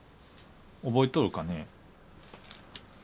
覚えとるかね？